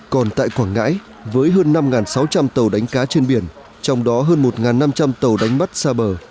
còn tại quảng ngãi với hơn năm sáu trăm linh tàu đánh cá trên biển trong đó hơn một năm trăm linh tàu đánh bắt xa bờ